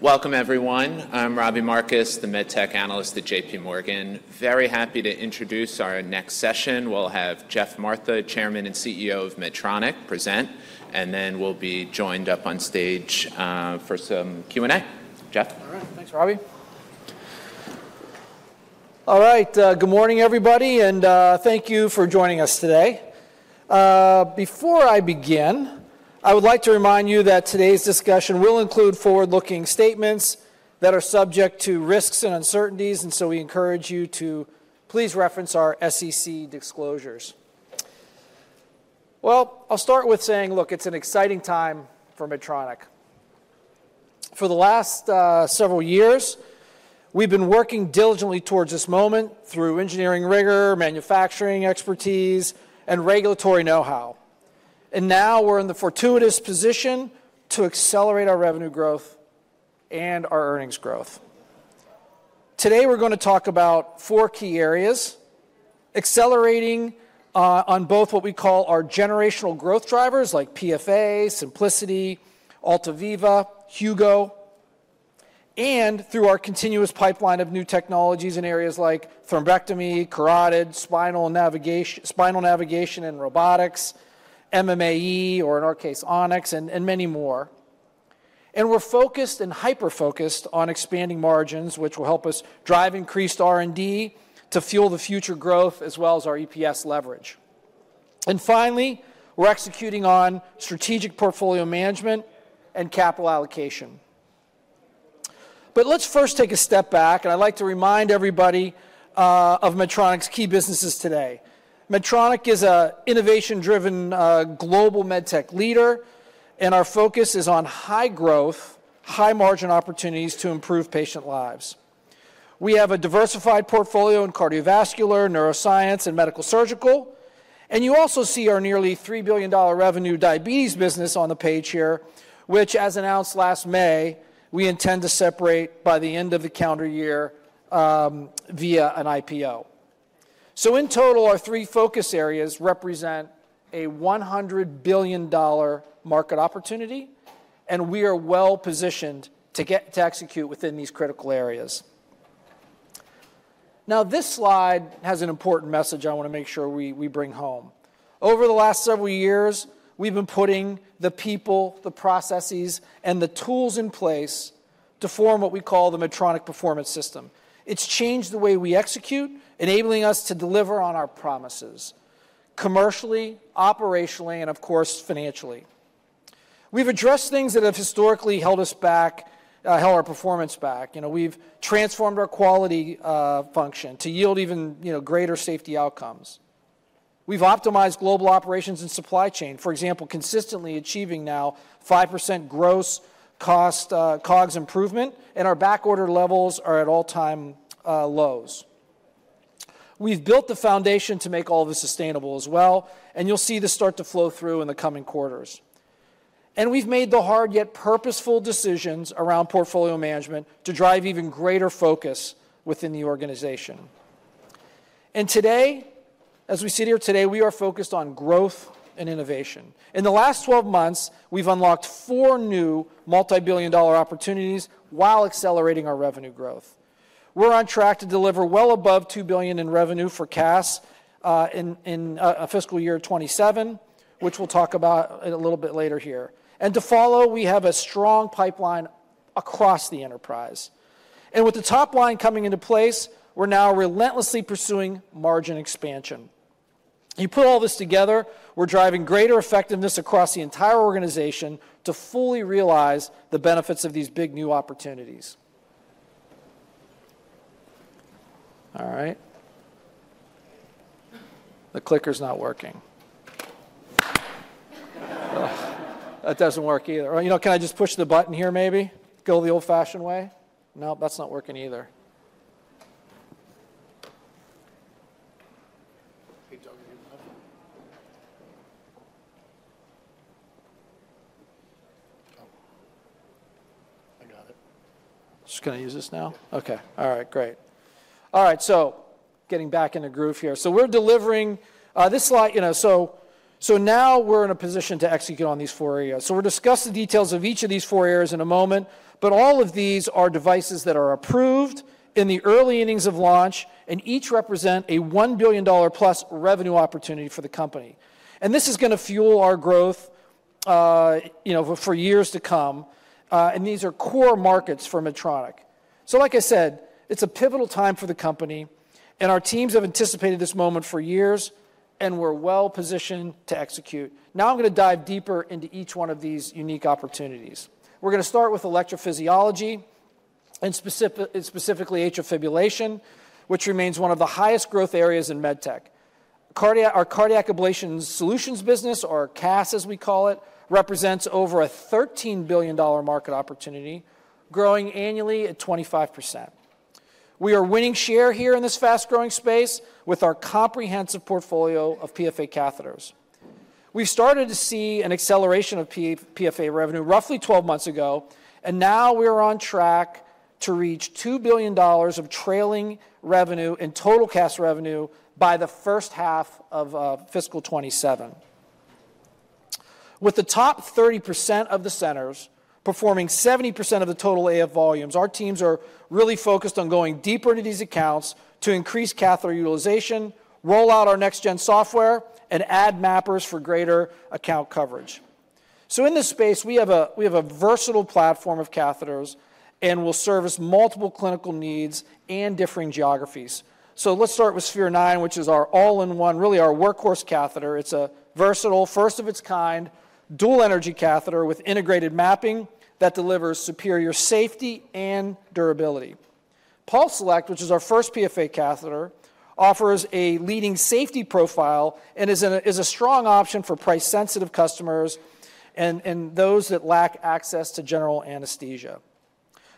Welcome, everyone. I'm Robbie Marcus, the MedTech Analyst at JPMorgan. Very happy to introduce our next session. We'll have Geoff Martha, Chairman and CEO of Medtronic, present, and then we'll be joined up on stage for some Q&A. Geoff? All right. Thanks, Robbie. All right. Good morning, everybody, and thank you for joining us today. Before I begin, I would like to remind you that today's discussion will include forward-looking statements that are subject to risks and uncertainties, and so we encourage you to please reference our SEC disclosures. Well, I'll start with saying, look, it's an exciting time for Medtronic. For the last several years, we've been working diligently towards this moment through engineering rigor, manufacturing expertise, and regulatory know-how. And now we're in the fortuitous position to accelerate our revenue growth and our earnings growth. Today, we're going to talk about four key areas, accelerating on both what we call our generational growth drivers like PFA, Symplicity, AltaViva, Hugo, and through our continuous pipeline of new technologies in areas like thrombectomy, carotid, spinal navigation, spinal navigation and robotics, MMAE, or in our case, Onyx, and many more. And we're focused and hyper-focused on expanding margins, which will help us drive increased R&D to fuel the future growth as well as our EPS leverage. And finally, we're executing on strategic portfolio management and capital allocation. But let's first take a step back, and I'd like to remind everybody of Medtronic's key businesses today. Medtronic is an innovation-driven global MedTech leader, and our focus is on high growth, high-margin opportunities to improve patient lives. We have a diversified portfolio in cardiovascular, neuroscience, and medical-surgical. And you also see our nearly $3 billion revenue diabetes business on the page here, which, as announced last May, we intend to separate by the end of the calendar year via an IPO. So in total, our three focus areas represent a $100 billion market opportunity, and we are well-positioned to execute within these critical areas. Now, this slide has an important message I want to make sure we bring home. Over the last several years, we've been putting the people, the processes, and the tools in place to form what we call the Medtronic Performance System. It's changed the way we execute, enabling us to deliver on our promises commercially, operationally, and, of course, financially. We've addressed things that have historically held us back, held our performance back. We've transformed our quality function to yield even greater safety outcomes. We've optimized global operations and supply chain, for example, consistently achieving now 5% gross cost COGS improvement, and our backorder levels are at all-time lows. We've built the foundation to make all of this sustainable as well, and you'll see this start to flow through in the coming quarters. We've made the hard yet purposeful decisions around portfolio management to drive even greater focus within the organization. Today, as we sit here today, we are focused on growth and innovation. In the last 12 months, we've unlocked four new multi-billion dollar opportunities while accelerating our revenue growth. We're on track to deliver well above $2 billion in revenue for CAS in fiscal year 2027, which we'll talk about a little bit later here. To follow, we have a strong pipeline across the enterprise. With the top line coming into place, we're now relentlessly pursuing margin expansion. You put all this together, we're driving greater effectiveness across the entire organization to fully realize the benefits of these big new opportunities. All right. The clicker's not working. That doesn't work either. Can I just push the button here, maybe? Go the old-fashioned way? Nope, that's not working either. I got it. Just going to use this now? Okay. All right. Great. All right. So getting back into groove here. So we're delivering this slide. So now we're in a position to execute on these four areas. So we'll discuss the details of each of these four areas in a moment, but all of these are devices that are approved in the early innings of launch, and each represent a $1 billion+ revenue opportunity for the company. And this is going to fuel our growth for years to come, and these are core markets for Medtronic. So like I said, it's a pivotal time for the company, and our teams have anticipated this moment for years, and we're well-positioned to execute. Now I'm going to dive deeper into each one of these unique opportunities. We're going to start with electrophysiology, and specifically atrial fibrillation, which remains one of the highest growth areas in MedTech. Our cardiac ablation solutions business, or CAS, as we call it, represents over a $13 billion market opportunity, growing annually at 25%. We are winning share here in this fast-growing space with our comprehensive portfolio of PFA catheters. We started to see an acceleration of PFA revenue roughly 12 months ago, and now we are on track to reach $2 billion of trailing revenue in total CAS revenue by the first half of fiscal 2027. With the top 30% of the centers performing 70% of the total AF volumes, our teams are really focused on going deeper into these accounts to increase catheter utilization, roll out our next-gen software, and add mappers for greater account coverage. In this space, we have a versatile platform of catheters and will service multiple clinical needs and differing geographies. So let's start with Sphere-9, which is our all-in-one, really our workhorse catheter. It's a versatile, first-of-its-kind dual-energy catheter with integrated mapping that delivers superior safety and durability. PulseSelect, which is our first PFA catheter, offers a leading safety profile and is a strong option for price-sensitive customers and those that lack access to general anesthesia.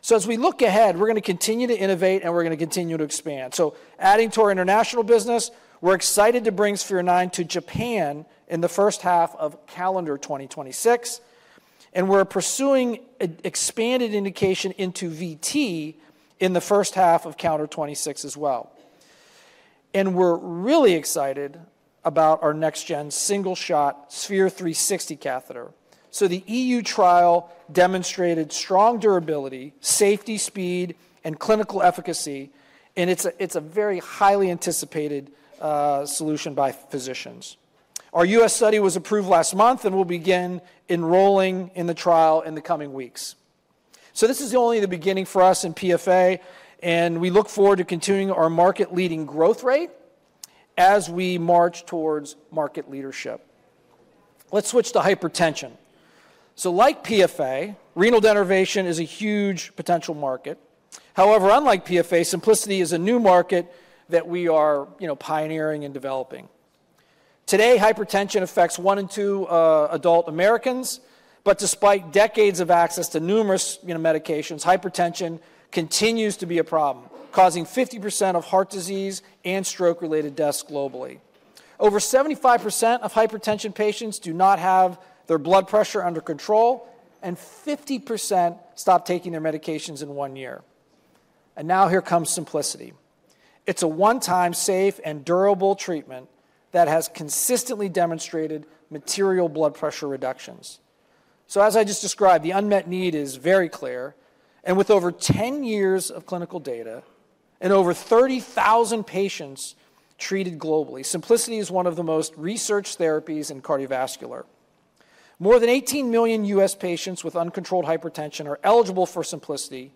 So as we look ahead, we're going to continue to innovate and we're going to continue to expand. So adding to our international business, we're excited to bring Sphere-9 to Japan in the first half of calendar 2026, and we're pursuing expanded indication into VT in the first half of calendar 2026 as well. And we're really excited about our next-gen single-shot Sphere-360 catheter. The EU trial demonstrated strong durability, safety, speed, and clinical efficacy, and it's a very highly anticipated solution by physicians. Our U.S. study was approved last month and will begin enrolling in the trial in the coming weeks. So this is only the beginning for us in PFA, and we look forward to continuing our market-leading growth rate as we march towards market leadership. Let's switch to hypertension. So like PFA, renal denervation is a huge potential market. However, unlike PFA, Symplicity is a new market that we are pioneering and developing. Today, hypertension affects one in two adult Americans, but despite decades of access to numerous medications, hypertension continues to be a problem, causing 50% of heart disease and stroke-related deaths globally. Over 75% of hypertension patients do not have their blood pressure under control, and 50% stop taking their medications in one year. Now here comes Symplicity. It's a one-time safe and durable treatment that has consistently demonstrated material blood pressure reductions. As I just described, the unmet need is very clear. With over 10 years of clinical data and over 30,000 patients treated globally, Symplicity is one of the most researched therapies in cardiovascular. More than 18 million U.S. patients with uncontrolled hypertension are eligible for Symplicity,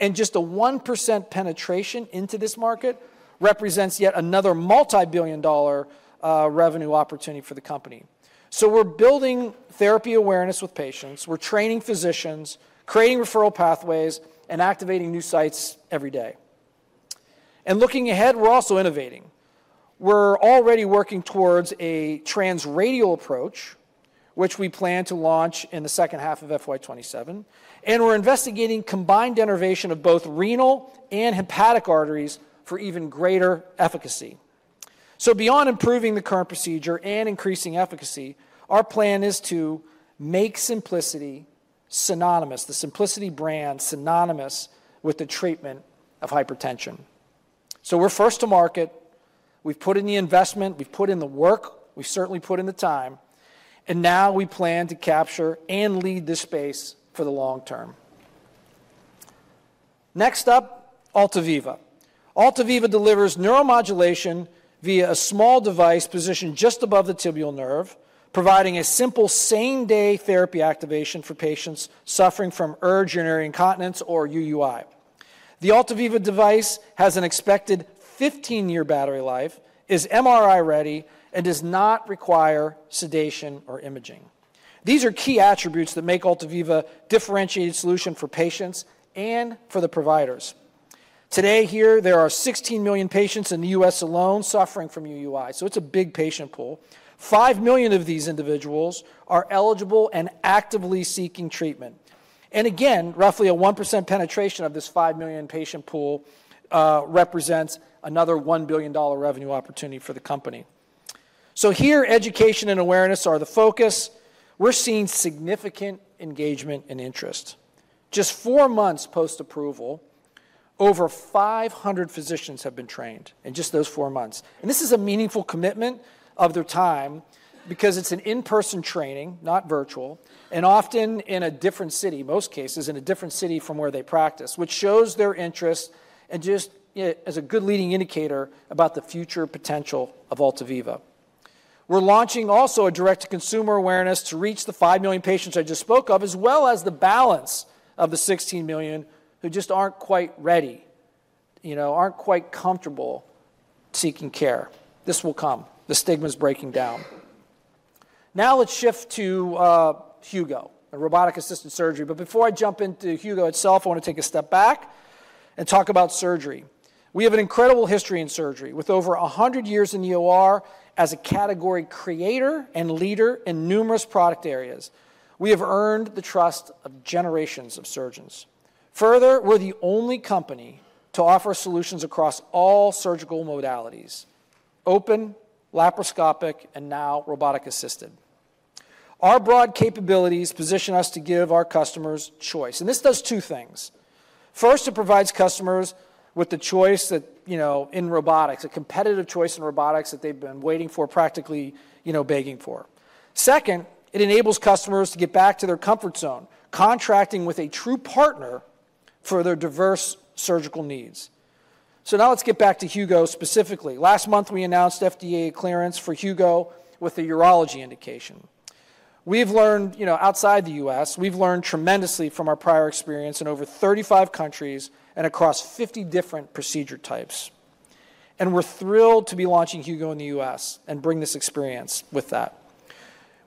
and just a 1% penetration into this market represents yet another multi-billion-dollar revenue opportunity for the company. We're building therapy awareness with patients, we're training physicians, creating referral pathways, and activating new sites every day. Looking ahead, we're also innovating. We're already working towards a transradial approach, which we plan to launch in the second half of FY 2027, and we're investigating combined denervation of both renal and hepatic arteries for even greater efficacy. So beyond improving the current procedure and increasing efficacy, our plan is to make Symplicity synonymous, the Symplicity brand synonymous with the treatment of hypertension. So we're first to market. We've put in the investment, we've put in the work, we've certainly put in the time, and now we plan to capture and lead this space for the long term. Next up, AltaViva. AltaViva delivers neuromodulation via a small device positioned just above the tibial nerve, providing a simple same-day therapy activation for patients suffering from urge urinary incontinence or UUI. The AltaViva device has an expected 15-year battery life, is MRI ready, and does not require sedation or imaging. These are key attributes that make AltaViva a differentiated solution for patients and for the providers. Today, here, there are 16 million patients in the U.S. alone suffering from UUI, so it's a big patient pool. 5 million of these individuals are eligible and actively seeking treatment, and again, roughly a 1% penetration of this 5 million patient pool represents another $1 billion revenue opportunity for the company, so here, education and awareness are the focus. We're seeing significant engagement and interest. Just four months post-approval, over 500 physicians have been trained in just those four months, and this is a meaningful commitment of their time because it's an in-person training, not virtual, and often in a different city, most cases in a different city from where they practice, which shows their interest and just as a good leading indicator about the future potential of AltaViva. We're launching also a direct-to-consumer awareness to reach the 5 million patients I just spoke of, as well as the balance of the 16 million who just aren't quite ready, aren't quite comfortable seeking care. This will come. The stigma is breaking down. Now let's shift to Hugo, a robotic-assisted surgery. But before I jump into Hugo itself, I want to take a step back and talk about surgery. We have an incredible history in surgery. With over 100 years in the OR as a category creator and leader in numerous product areas, we have earned the trust of generations of surgeons. Further, we're the only company to offer solutions across all surgical modalities: open, laparoscopic, and now robotic-assisted. Our broad capabilities position us to give our customers choice. And this does two things. First, it provides customers with the choice in robotics, a competitive choice in robotics that they've been waiting for, practically begging for. Second, it enables customers to get back to their comfort zone, contracting with a true partner for their diverse surgical needs. So now let's get back to Hugo specifically. Last month, we announced FDA clearance for Hugo with the urology indication. Outside the U.S., we've learned tremendously from our prior experience in over 35 countries and across 50 different procedure types. And we're thrilled to be launching Hugo in the U.S. and bring this experience with that.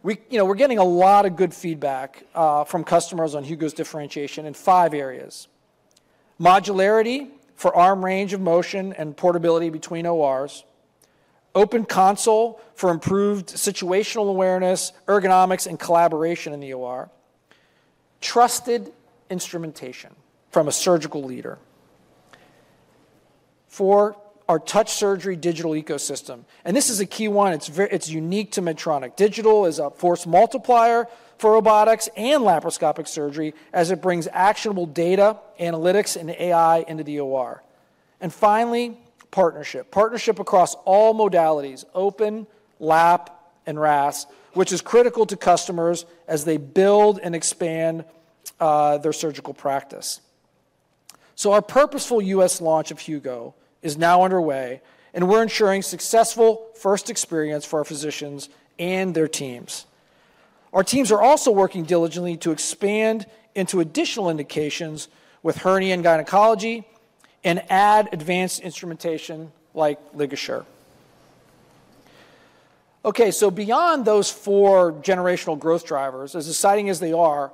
We're getting a lot of good feedback from customers on Hugo's differentiation in five areas: modularity for arm range of motion and portability between ORs, open console for improved situational awareness, ergonomics, and collaboration in the OR, trusted instrumentation from a surgical leader, for our Touch Surgery digital ecosystem. And this is a key one. It's unique to Medtronic. Digital is a force multiplier for robotics and laparoscopic surgery as it brings actionable data, analytics, and AI into the OR. And finally, partnership. Partnership across all modalities: open, lab, and RAS, which is critical to customers as they build and expand their surgical practice. So our purposeful U.S. launch of Hugo is now underway, and we're ensuring successful first experience for our physicians and their teams. Our teams are also working diligently to expand into additional indications with hernia and gynecology and add advanced instrumentation like LigaSure. Okay. So beyond those four generational growth drivers, as exciting as they are,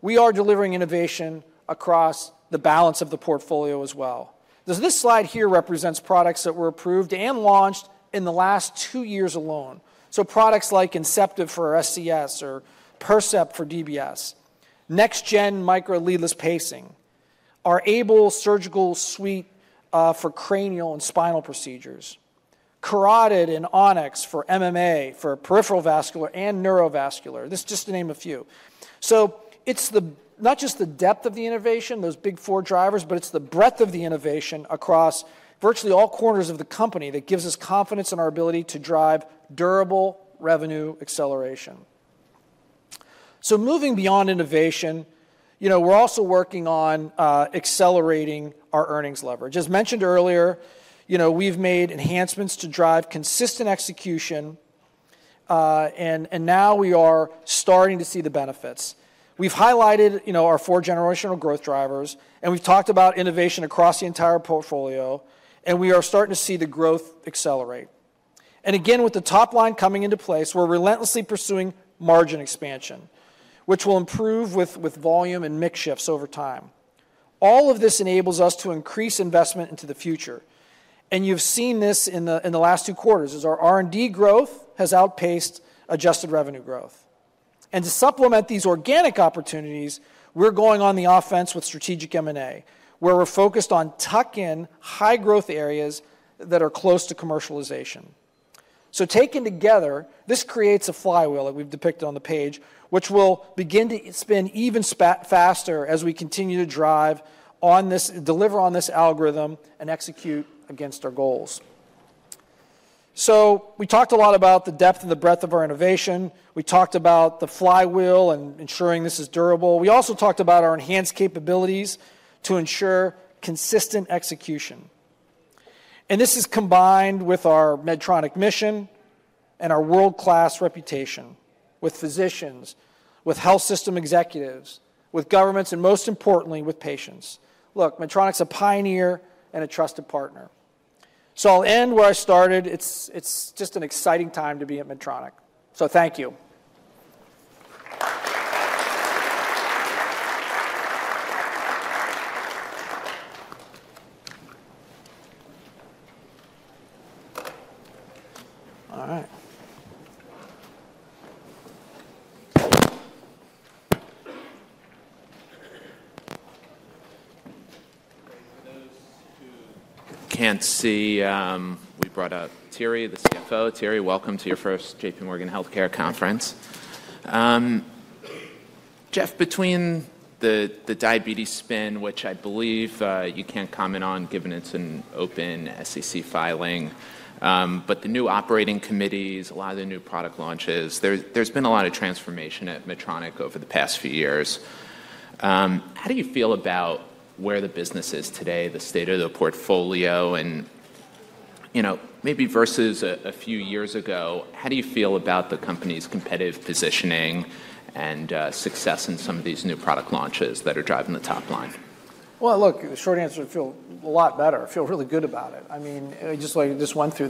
we are delivering innovation across the balance of the portfolio as well. This slide here represents products that were approved and launched in the last two years alone. So products like Inceptiv for SCS or Percept for DBS, NextGen Micra Leadless Pacing, our AiBLE surgical suite for cranial and spinal procedures, Carotid and Onyx for MMA for peripheral vascular and neurovascular. This is just to name a few. It's not just the depth of the innovation, those big four drivers, but it's the breadth of the innovation across virtually all corners of the company that gives us confidence in our ability to drive durable revenue acceleration. Moving beyond innovation, we're also working on accelerating our earnings leverage. As mentioned earlier, we've made enhancements to drive consistent execution, and now we are starting to see the benefits. We've highlighted our four generational growth drivers, and we've talked about innovation across the entire portfolio, and we are starting to see the growth accelerate. Again, with the top line coming into place, we're relentlessly pursuing margin expansion, which will improve with volume and mix shifts over time. All of this enables us to increase investment into the future. You've seen this in the last two quarters as our R&D growth has outpaced adjusted revenue growth. And to supplement these organic opportunities, we're going on the offense with strategic M&A, where we're focused on tuck-in high-growth areas that are close to commercialization. So taken together, this creates a flywheel that we've depicted on the page, which will begin to spin even faster as we continue to deliver on this algorithm and execute against our goals. So we talked a lot about the depth and the breadth of our innovation. We talked about the flywheel and ensuring this is durable. We also talked about our enhanced capabilities to ensure consistent execution. And this is combined with our Medtronic mission and our world-class reputation with physicians, with health system executives, with governments, and most importantly, with patients. Look, Medtronic's a pioneer and a trusted partner. So I'll end where I started. It's just an exciting time to be at Medtronic. So thank you. All right. For those who can't see, we brought up Thierry, the CFO. Thierry, welcome to your first JPMorgan Healthcare Conference. Geoff, between the diabetes spin, which I believe you can't comment on given it's an open SEC filing, but the new operating committees, a lot of the new product launches, there's been a lot of transformation at Medtronic over the past few years. How do you feel about where the business is today, the state of the portfolio, and maybe versus a few years ago, how do you feel about the company's competitive positioning and success in some of these new product launches that are driving the top line? Look, the short answer is I feel a lot better. I feel really good about it. I mean, I just went through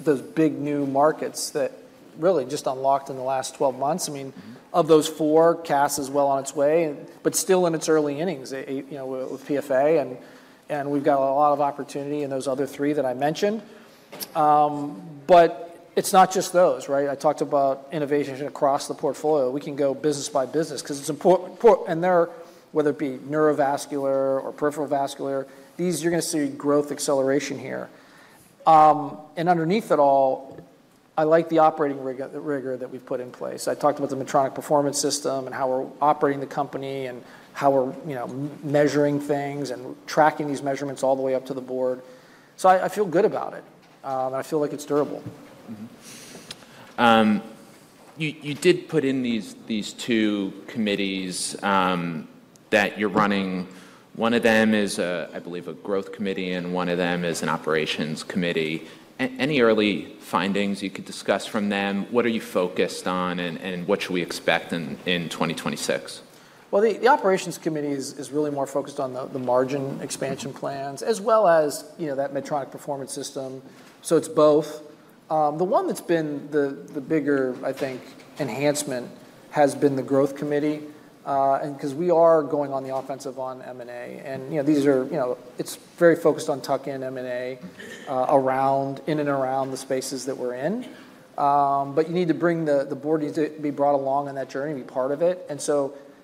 those big new markets that really just unlocked in the last 12 months. I mean, of those four, CASS is well on its way, but still in its early innings with PFA, and we've got a lot of opportunity in those other three that I mentioned. It's not just those, right? I talked about innovation across the portfolio. We can go business by business because it's important. Whether it be neurovascular or peripheral vascular, you're going to see growth acceleration here. Underneath it all, I like the operating rigor that we've put in place. I talked about the Medtronic Performance System and how we're operating the company and how we're measuring things and tracking these measurements all the way up to the board. So I feel good about it, and I feel like it's durable. You did put in these two committees that you're running. One of them is, I believe, a growth committee, and one of them is an operations committee. Any early findings you could discuss from them? What are you focused on, and what should we expect in 2026? The operations committee is really more focused on the margin expansion plans as well as that Medtronic Performance System. It's both. The one that's been the bigger, I think, enhancement has been the growth committee because we are going on the offensive on M&A. It's very focused on tuck-in M&A in and around the spaces that we're in. You need to bring the board, needs to be brought along in that journey, be part of it.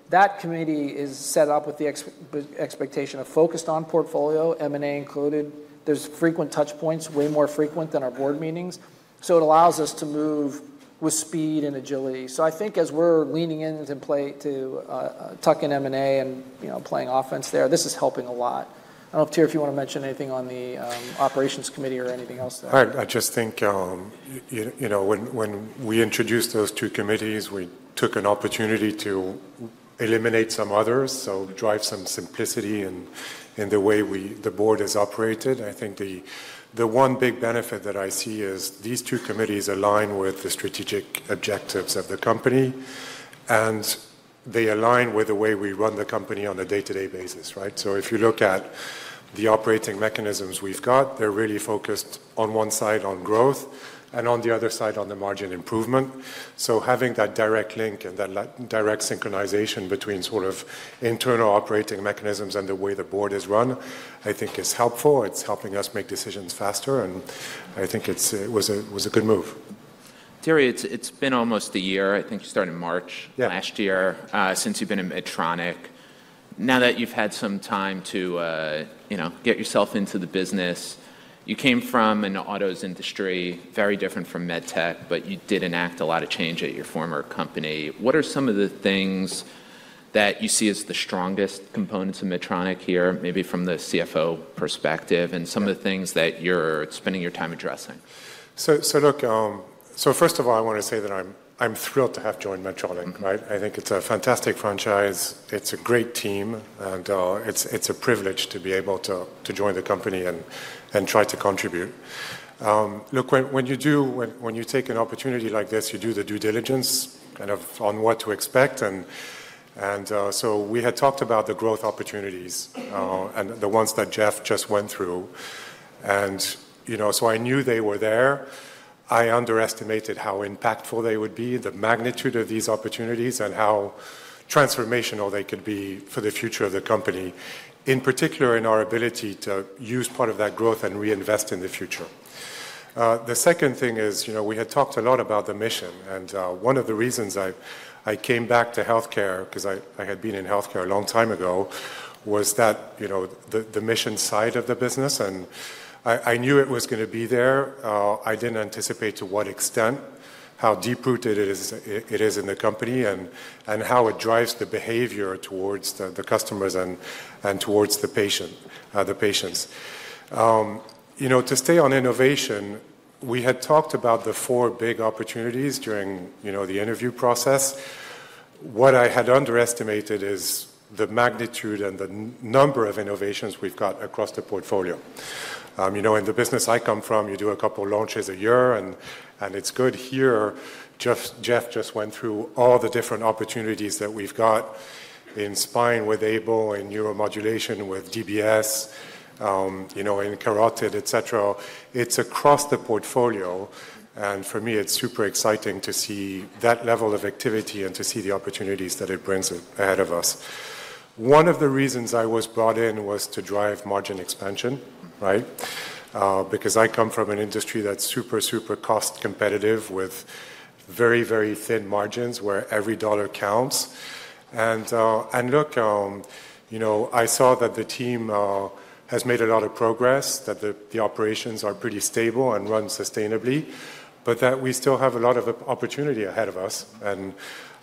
That committee is set up with the expectation of focused on portfolio, M&A included. There's frequent touch points, way more frequent than our board meetings. It allows us to move with speed and agility. I think as we're leaning into tuck-in M&A and playing offense there, this is helping a lot. I don't know, Thierry, if you want to mention anything on the operations committee or anything else there? I just think when we introduced those two committees, we took an opportunity to eliminate some others, so drive some simplicity in the way the board has operated. I think the one big benefit that I see is these two committees align with the strategic objectives of the company, and they align with the way we run the company on a day-to-day basis, right? So if you look at the operating mechanisms we've got, they're really focused on one side, on growth, and on the other side, on the margin improvement. So having that direct link and that direct synchronization between sort of internal operating mechanisms and the way the board is run, I think is helpful. It's helping us make decisions faster, and I think it was a good move. Thierry, it's been almost a year. I think you started March last year since you've been at Medtronic. Now that you've had some time to get yourself into the business, you came from an autos industry, very different from MedTech, but you did enact a lot of change at your former company. What are some of the things that you see as the strongest components of Medtronic here, maybe from the CFO perspective, and some of the things that you're spending your time addressing? Look, so first of all, I want to say that I'm thrilled to have joined Medtronic, right? I think it's a fantastic franchise. It's a great team, and it's a privilege to be able to join the company and try to contribute. Look, when you take an opportunity like this, you do the due diligence kind of on what to expect, and so we had talked about the growth opportunities and the ones that Geoff just went through, and so I knew they were there. I underestimated how impactful they would be, the magnitude of these opportunities, and how transformational they could be for the future of the company, in particular in our ability to use part of that growth and reinvest in the future. The second thing is we had talked a lot about the mission. And one of the reasons I came back to healthcare, because I had been in healthcare a long time ago, was that the mission side of the business. And I knew it was going to be there. I didn't anticipate to what extent, how deep-rooted it is in the company, and how it drives the behavior towards the customers and towards the patients. To stay on innovation, we had talked about the four big opportunities during the interview process. What I had underestimated is the magnitude and the number of innovations we've got across the portfolio. In the business I come from, you do a couple of launches a year, and it's good here. Geoff just went through all the different opportunities that we've got in spine with AiBLE and neuromodulation with DBS and carotid, etc. It's across the portfolio. And for me, it's super exciting to see that level of activity and to see the opportunities that it brings ahead of us. One of the reasons I was brought in was to drive margin expansion, right? Because I come from an industry that's super, super cost competitive with very, very thin margins where every dollar counts. And look, I saw that the team has made a lot of progress, that the operations are pretty stable and run sustainably, but that we still have a lot of opportunity ahead of us. And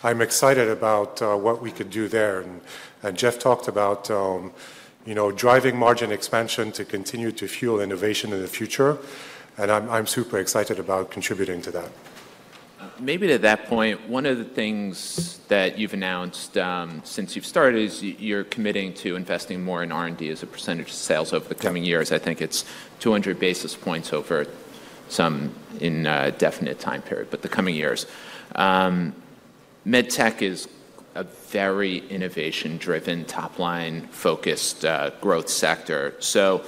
I'm excited about what we could do there. And Geoff talked about driving margin expansion to continue to fuel innovation in the future. And I'm super excited about contributing to that. Maybe to that point, one of the things that you've announced since you've started is you're committing to investing more in R&D as a percentage of sales over the coming years. I think it's 200 basis points over some in a definite time period, but the coming years. MedTech is a very innovation-driven, top-line-focused growth sector. So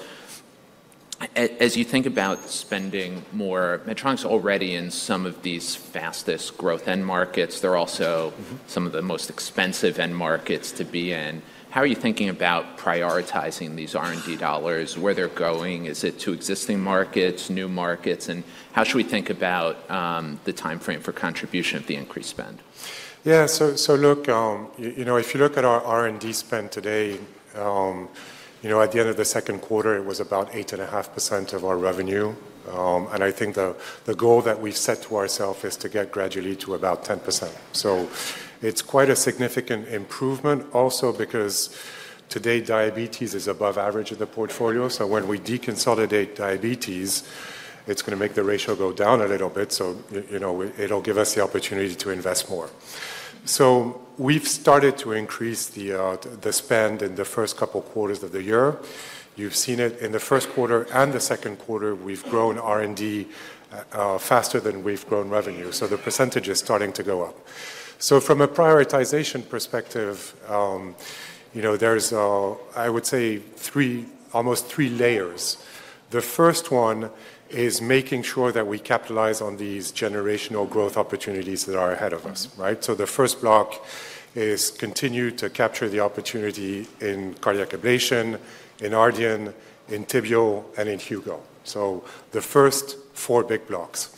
as you think about spending more, Medtronic's already in some of these fastest growth end markets. They're also some of the most expensive end markets to be in. How are you thinking about prioritizing these R&D dollars? Where they're going? Is it to existing markets, new markets? And how should we think about the timeframe for contribution of the increased spend? Yeah. So look, if you look at our R&D spend today, at the end of the second quarter, it was about 8.5% of our revenue. And I think the goal that we've set to ourselves is to get gradually to about 10%. So it's quite a significant improvement also because today diabetes is above average in the portfolio. So when we deconsolidate diabetes, it's going to make the ratio go down a little bit. So it'll give us the opportunity to invest more. So we've started to increase the spend in the first couple of quarters of the year. You've seen it in the first quarter and the second quarter, we've grown R&D faster than we've grown revenue. So the percentage is starting to go up. So from a prioritization perspective, there's, I would say, almost three layers. The first one is making sure that we capitalize on these generational growth opportunities that are ahead of us, right? So the first block is continue to capture the opportunity in cardiac ablation, in Ardian, in Tibial, and in Hugo. So the first four big blocks.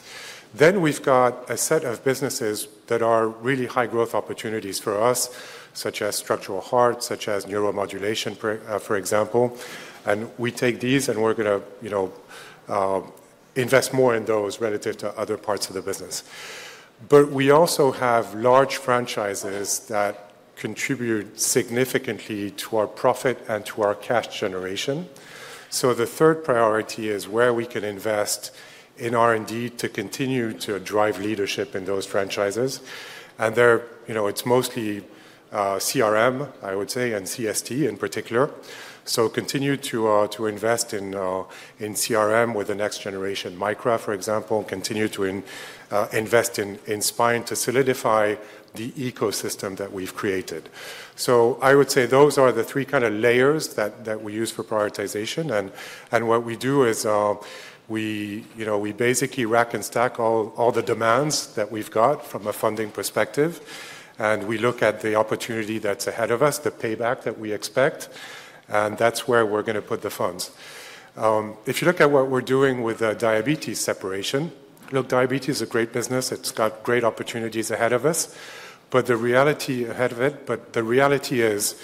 Then we've got a set of businesses that are really high-growth opportunities for us, such as structural heart, such as neuromodulation, for example. And we take these and we're going to invest more in those relative to other parts of the business. But we also have large franchises that contribute significantly to our profit and to our cash generation. So the third priority is where we can invest in R&D to continue to drive leadership in those franchises. And it's mostly CRM, I would say, and CST in particular. So continue to invest in CRM with the next-generation Micra, for example, and continue to invest in spine to solidify the ecosystem that we've created. So I would say those are the three kind of layers that we use for prioritization. And what we do is we basically rack and stack all the demands that we've got from a funding perspective. And we look at the opportunity that's ahead of us, the payback that we expect. And that's where we're going to put the funds. If you look at what we're doing with diabetes separation, look, diabetes is a great business. It's got great opportunities ahead of us. But the reality is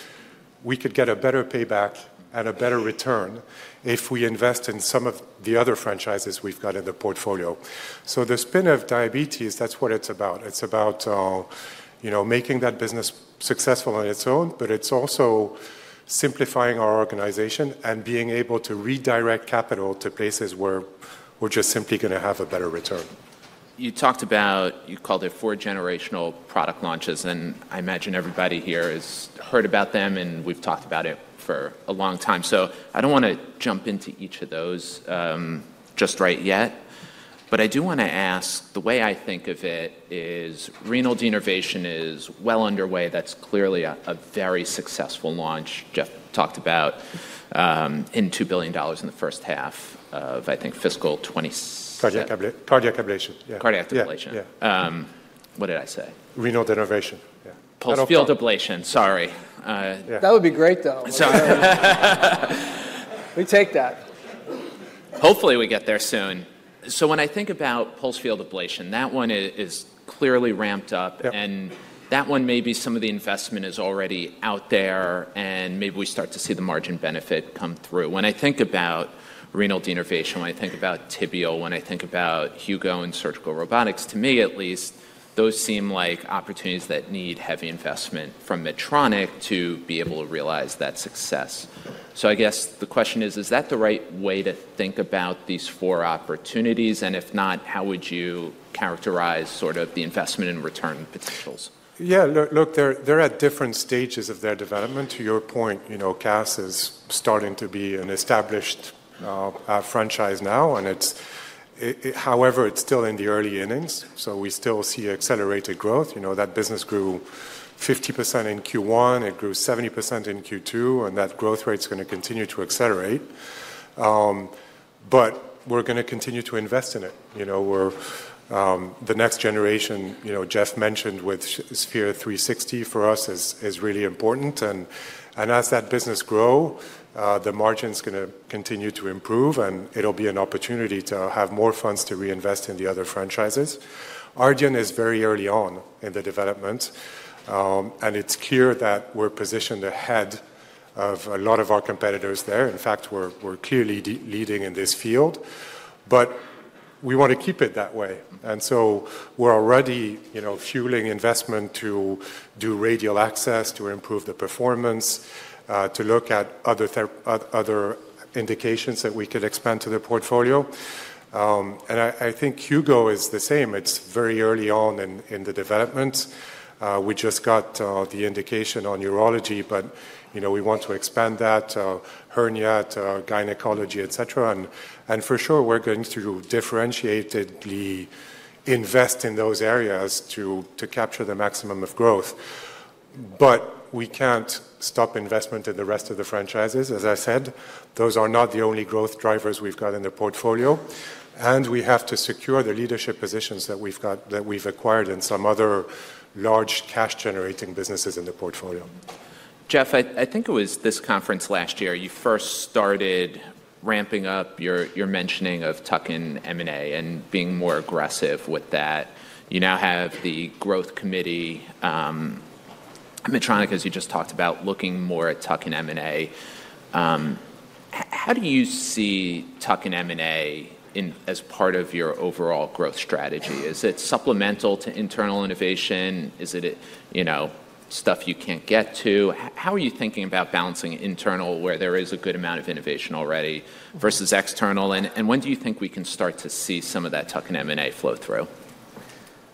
we could get a better payback and a better return if we invest in some of the other franchises we've got in the portfolio. So the spin of diabetes, that's what it's about. It's about making that business successful on its own, but it's also simplifying our organization and being able to redirect capital to places where we're just simply going to have a better return. You talked about, you called it four-generational product launches, and I imagine everybody here has heard about them, and we've talked about it for a long time. So I don't want to jump into each of those just right yet, but I do want to ask. The way I think of it is renal denervation is well underway. That's clearly a very successful launch Geoff talked about, in $2 billion in the first half of, I think, fiscal 2016. Cardiac ablation. Cardiac ablation. Yeah. What did I say? Renal denervation. Pulsed field ablation, sorry. That would be great, though. We take that. Hopefully, we get there soon. So when I think about pulsed field ablation, that one is clearly ramped up. And that one, maybe some of the investment is already out there, and maybe we start to see the margin benefit come through. When I think about renal denervation, when I think about Tibial, when I think about Hugo and surgical robotics, to me at least, those seem like opportunities that need heavy investment from Medtronic to be able to realize that success. So I guess the question is, is that the right way to think about these four opportunities? And if not, how would you characterize sort of the investment and return potentials? Yeah. Look, they're at different stages of their development. To your point, CAS is starting to be an established franchise now. However, it's still in the early innings. So we still see accelerated growth. That business grew 50% in Q1. It grew 70% in Q2. And that growth rate's going to continue to accelerate. But we're going to continue to invest in it. The next generation, Geoff mentioned with Sphere-360 for us is really important. And as that business grow, the margin's going to continue to improve. And it'll be an opportunity to have more funds to reinvest in the other franchises. Ardian is very early on in the development. And it's clear that we're positioned ahead of a lot of our competitors there. In fact, we're clearly leading in this field. But we want to keep it that way. And so we're already fueling investment to do radial access, to improve the performance, to look at other indications that we could expand to the portfolio. And I think Hugo is the same. It's very early on in the development. We just got the indication on urology, but we want to expand that, hernia, gynecology, etc. And for sure, we're going to differentiatedly invest in those areas to capture the maximum of growth. But we can't stop investment in the rest of the franchises. As I said, those are not the only growth drivers we've got in the portfolio. And we have to secure the leadership positions that we've acquired in some other large cash-generating businesses in the portfolio. Geoff, I think it was this conference last year you first started ramping up your mentioning of tuck-in M&A and being more aggressive with that. You now have the growth committee at Medtronic, as you just talked about, looking more at tuck-in M&A. How do you see tuck-in M&A as part of your overall growth strategy? Is it supplemental to internal innovation? Is it stuff you can't get to? How are you thinking about balancing internal where there is a good amount of innovation already versus external? When do you think we can start to see some of that tuck-in M&A flow through?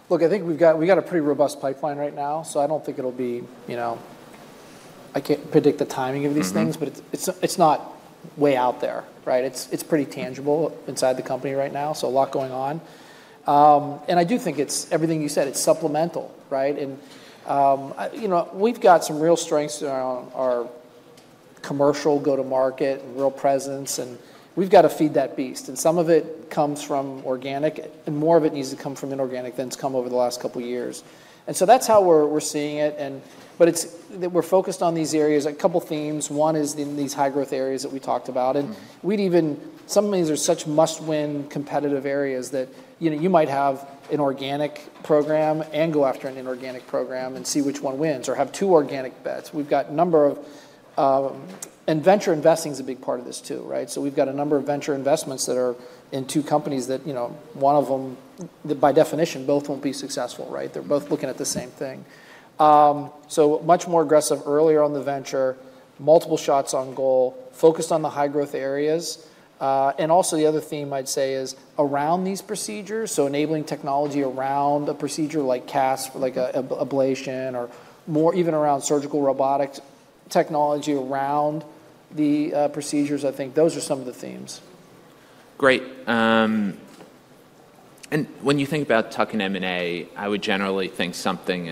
Look, I think we've got a pretty robust pipeline right now. So I don't think it'll be. I can't predict the timing of these things, but it's not way out there, right? It's pretty tangible inside the company right now. So a lot going on, and I do think it's everything you said, it's supplemental, right, and we've got some real strengths around our commercial go-to-market and real presence. And we've got to feed that beast. And some of it comes from organic, and more of it needs to come from inorganic things come over the last couple of years. And so that's how we're seeing it, but we're focused on these areas, a couple of themes. One is in these high-growth areas that we talked about. And some of these are such must-win competitive areas that you might have an organic program and go after an inorganic program and see which one wins or have two organic bets. And venture investing is a big part of this too, right? So we've got a number of venture investments that are in two companies that one of them, by definition, both won't be successful, right? They're both looking at the same thing. So much more aggressive earlier on the venture, multiple shots on goal, focused on the high-growth areas. And also the other theme I'd say is around these procedures. So enabling technology around a procedure like CAS, like ablation, or even around surgical robotics technology around the procedures, I think those are some of the themes. Great. And when you think about tuck-in M&A, I would generally think something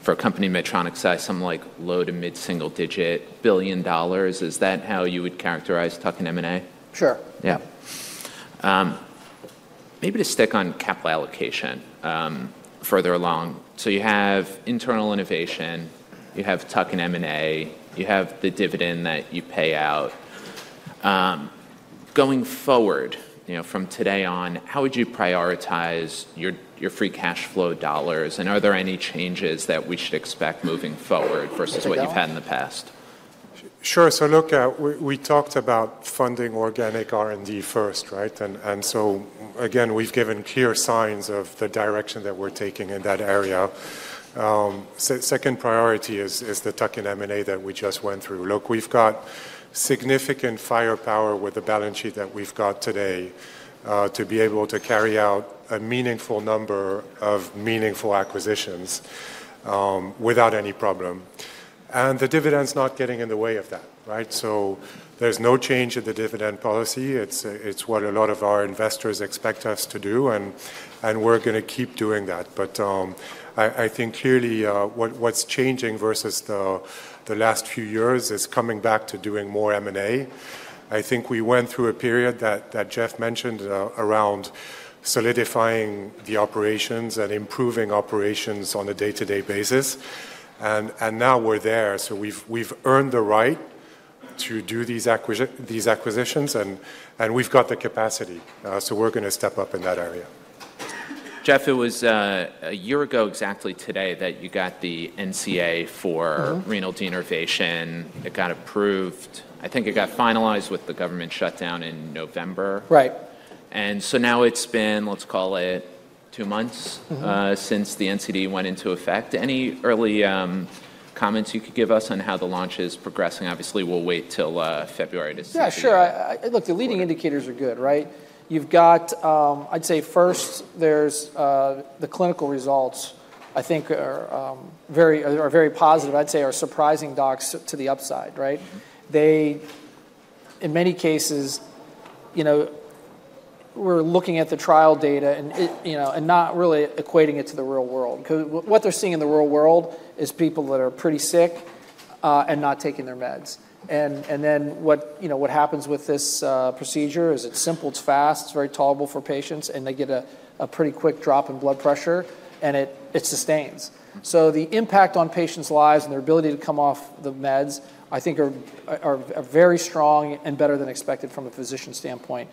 for a company in Medtronic size, something like low- to mid-single-digit billion dollars. Is that how you would characterize tuck-in M&A? Sure. Yeah. Maybe to stick on capital allocation further along. So you have internal innovation. You have tuck-in M&A. You have the dividend that you pay out. Going forward, from today on, how would you prioritize your free cash flow dollars? And are there any changes that we should expect moving forward versus what you've had in the past? Sure. So look, we talked about funding organic R&D first, right? And so again, we've given clear signs of the direction that we're taking in that area. Second priority is the tuck-in M&A that we just went through. Look, we've got significant firepower with the balance sheet that we've got today to be able to carry out a meaningful number of meaningful acquisitions without any problem. And the dividend's not getting in the way of that, right? So there's no change in the dividend policy. It's what a lot of our investors expect us to do. And we're going to keep doing that. But I think clearly what's changing versus the last few years is coming back to doing more M&A. I think we went through a period that Geoff mentioned around solidifying the operations and improving operations on a day-to-day basis. And now we're there. So we've earned the right to do these acquisitions. And we've got the capacity. So we're going to step up in that area. Geoff, it was a year ago exactly today that you got the NCD for renal denervation. It got approved. I think it got finalized with the government shutdown in November. Right. And so now it's been, let's call it, two months since the NCD went into effect. Any early comments you could give us on how the launch is progressing? Obviously, we'll wait till February to see. Yeah, sure. Look, the leading indicators are good, right? You've got, I'd say first, there's the clinical results, I think, are very positive. I'd say are surprising docs to the upside, right? In many cases, we're looking at the trial data and not really equating it to the real world. Because what they're seeing in the real world is people that are pretty sick and not taking their meds. And then what happens with this procedure is it's simple, it's fast, it's very tolerable for patients, and they get a pretty quick drop in blood pressure, and it sustains. So the impact on patients' lives and their ability to come off the meds, I think, are very strong and better than expected from a physician standpoint.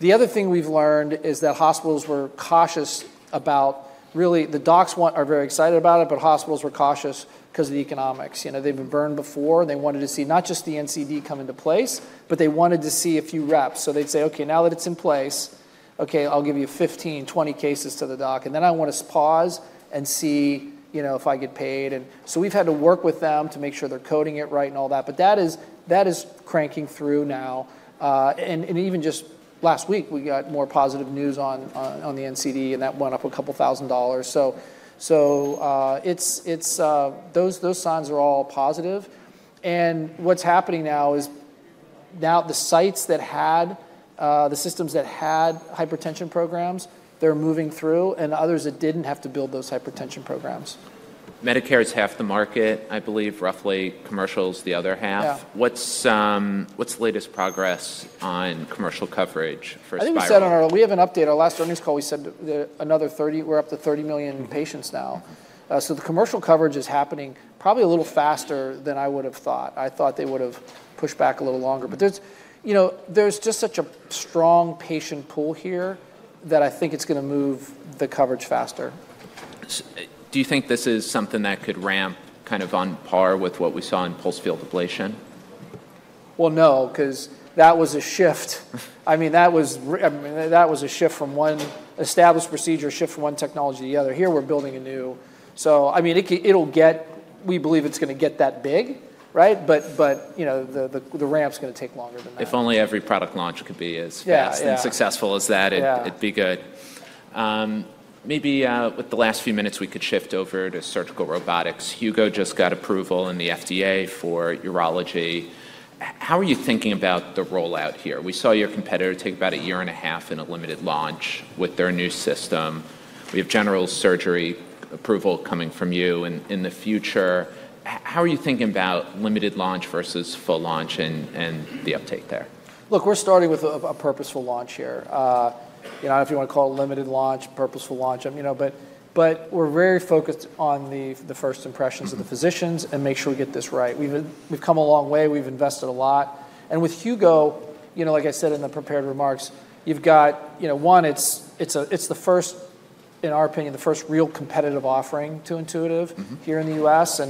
The other thing we've learned is that hospitals were cautious about, really, the docs are very excited about it, but hospitals were cautious because of the economics. They've been burned before, and they wanted to see not just the NCD come into place, but they wanted to see a few reps. So they'd say, "Okay, now that it's in place, okay, I'll give you 15, 20 cases to the doc. And then I want to pause and see if I get paid." And so we've had to work with them to make sure they're coding it right and all that. But that is cranking through now, and even just last week, we got more positive news on the NCD, and that went up a couple thousand dollars. Those signs are all positive. What's happening now is the sites that had the systems that had hypertension programs. They're moving through, and others that didn't have to build those hypertension programs. Medicare is half the market, I believe, roughly commercial is the other half. What's the latest progress on commercial coverage for Spyral? I think we have an update. Our last earnings call, we said another 30. We're up to 30 million patients now, so the commercial coverage is happening probably a little faster than I would have thought. I thought they would have pushed back a little longer, but there's just such a strong patient pool here that I think it's going to move the coverage faster. Do you think this is something that could ramp kind of on par with what we saw in pulsed field ablation? No, because that was a shift. I mean, that was a shift from one established procedure, a shift from one technology to the other. Here, we're building a new. So I mean, we believe it's going to get that big, right? But the ramp's going to take longer than that. If only every product launch could be as fast and successful as that, it'd be good. Maybe with the last few minutes, we could shift over to surgical robotics. Hugo just got approval in the FDA for urology. How are you thinking about the rollout here? We saw your competitor take about a year and a half in a limited launch with their new system. We have general surgery approval coming from you in the future. How are you thinking about limited launch versus full launch and the uptake there? Look, we're starting with a purposeful launch here. I don't know if you want to call it limited launch, purposeful launch. But we're very focused on the first impressions of the physicians and make sure we get this right. We've come a long way. We've invested a lot. And with Hugo, like I said in the prepared remarks, you've got one, it's the first, in our opinion, the first real competitive offering to Intuitive here in the U.S.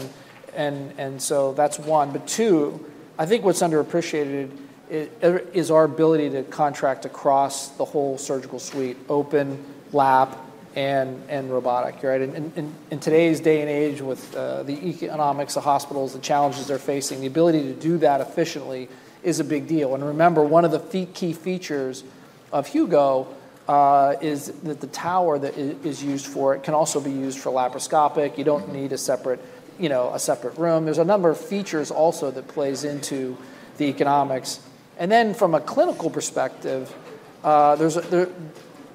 And so that's one. But two, I think what's underappreciated is our ability to contract across the whole surgical suite, open, lap, and robotic, right? In today's day and age with the economics, the hospitals, the challenges they're facing, the ability to do that efficiently is a big deal. And remember, one of the key features of Hugo is that the tower that is used for it can also be used for laparoscopic. You don't need a separate room. There's a number of features also that plays into the economics. And then from a clinical perspective,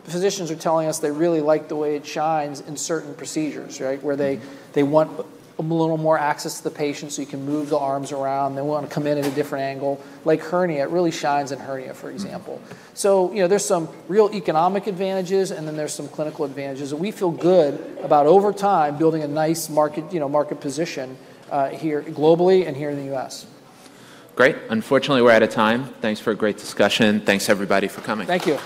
physicians are telling us they really like the way it shines in certain procedures, right? Where they want a little more access to the patient so you can move the arms around. They want to come in at a different angle. Like hernia, it really shines in hernia, for example. So there's some real economic advantages, and then there's some clinical advantages. And we feel good about over time building a nice market position here globally and here in the U.S. Great. Unfortunately, we're out of time. Thanks for a great discussion. Thanks, everybody, for coming. Thank you.